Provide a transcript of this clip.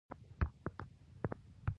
پوست د الرجي او ناروغیو پر وړاندې دفاع کوي.